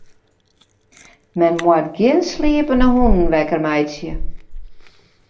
Men moat gjin sliepende hûnen wekker meitsje.